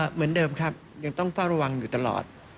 เหมือนเดิมครับยังต้องเฝ้าระวังอยู่ตลอด